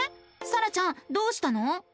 さらちゃんどうしたの？